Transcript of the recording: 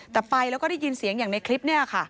แต่ไปแล้วก็ได้ยินเสียงอย่างในคลิปนี้ค่ะ